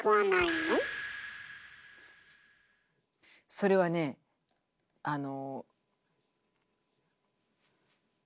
それはねあの。